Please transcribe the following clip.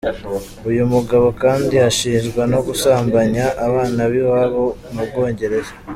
Uyu mugabo kandi ashinjwa no gusambanya abana b’iwabo mu Bwongereza.